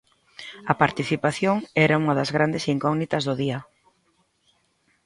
A participación era unha das grandes incógnitas do día.